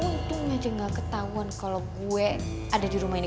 untung aja gak ketahuan kalau gue ada di rumah ini